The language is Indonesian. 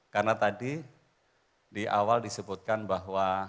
karena tadi di awal disebutkan bahwa